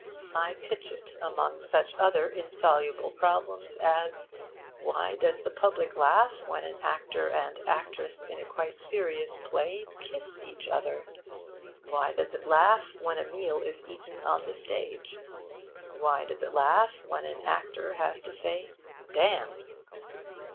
I pitch it among such other insoluble problems, as Why does the public laugh when an actor and actress in a quite serious play kiss each other? Why does it laugh when a meal is eaten on the stage? Why does it laugh when any actor has to say 'damn'?